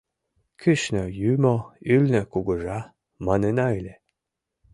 Кӱшнӧ — юмо, ӱлнӧ — кугыжа, манына ыле.